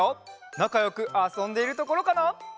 なかよくあそんでいるところかな？